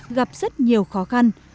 gặp rất nhiều khó khăn